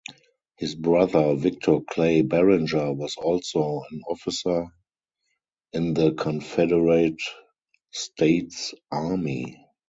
His brother Victor Clay Barringer was also an officer in the Confederate States Army.